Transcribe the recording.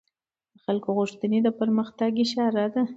د خلکو غوښتنې د پرمختګ اشاره ده